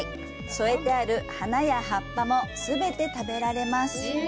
添えてある花や葉っぱも全て食べられます。